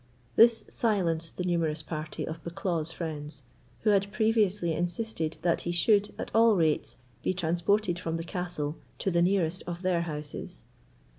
This silenced the numerous party of Bucklaw's friends, who had previously insisted that he should, at all rates, be transported from the castle to the nearest of their houses.